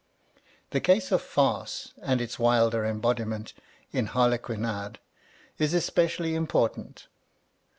The case of farce, and its wilder embodi ment in harlequinade, is especially im portant.